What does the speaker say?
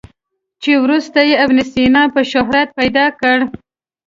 چې وروسته یې ابن سینا په شهرت پیدا کړ.